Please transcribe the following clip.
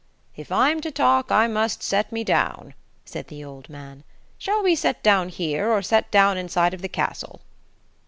"If I'm to talk I must set me down," said the old man. "Shall we set down here, or set down inside of the castle?"